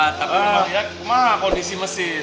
tapi memang ya mah kondisi mesin